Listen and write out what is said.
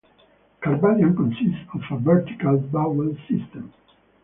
Kabardian consists of a vertical vowel system.